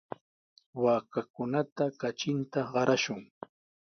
Waakakunata katrinta qarashun.